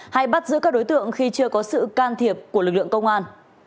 hay bắt giữ các đối tượng khi chưa có sự can thiệp của lực lượng công an